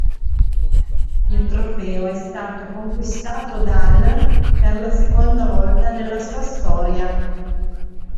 Il trofeo è stato conquistato dall' per la seconda volta nella sua storia.